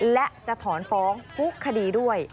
และจะถอนฟ้องทุกคดีด้วย